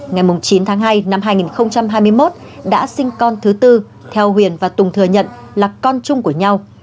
ngày chín tháng hai năm hai nghìn hai mươi một đã sinh con thứ tư theo huyền và tùng thừa nhận là con chung của nhau